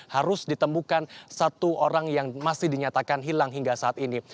harus ditemukan satu orang yang masih dinyatakan hilang hingga saat ini